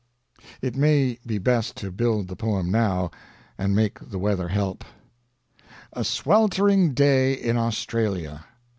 It may be best to build the poem now, and make the weather help A SWELTERING DAY IN AUSTRALIA.